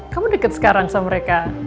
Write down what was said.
kamu deket sekarang sama mereka